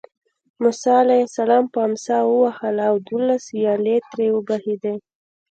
موسی علیه السلام په امسا ووهله او دولس ویالې ترې وبهېدې.